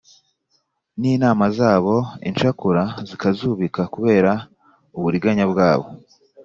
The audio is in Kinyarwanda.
N’inama zabo incakura zikazubika kubera uburiganya bwabo